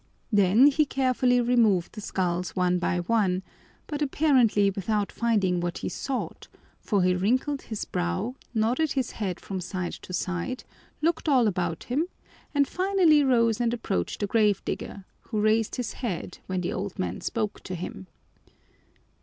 Then he carefully removed the skulls one by one, but apparently without finding what he sought, for he wrinkled his brow, nodded his head from side to side, looked all about him, and finally rose and approached the grave digger, who raised his head when the old man spoke to him.